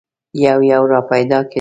یو یو را پیدا کېدل.